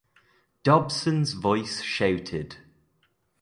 Dobson's voice shouted.